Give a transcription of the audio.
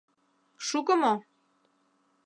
Шуко мо?